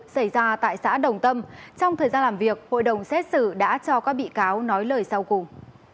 xảy ra tại xã đồng tâm trong thời gian làm việc hội đồng xét xử đã cho các bị cáo nói lời sau cùng